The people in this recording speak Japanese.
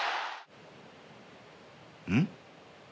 うん？